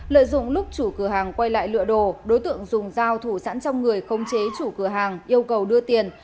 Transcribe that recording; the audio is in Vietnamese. lợi dụng lúc chủ cửa hàng quay lại lựa đồ đối tượng dùng dao thủ sẵn trong người không chế chủ cửa hàng yêu cầu đưa tiền